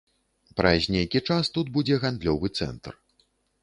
Праз нейкі час тут будзе гандлёвы цэнтр.